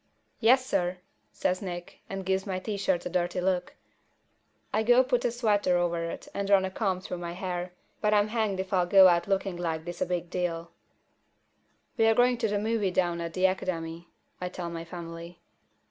"Yessir!" says Nick, and he gives my T shirt a dirty look. I go put a sweater over it and run a comb through my hair, but I'm hanged if I'll go out looking like this is a big deal. "We're going to a movie down at the Academy," I tell my family.